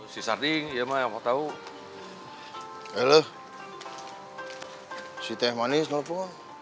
sisari yang mau tahu halo si teh manis nopo